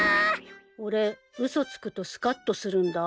俺嘘つくとスカッとするんだ。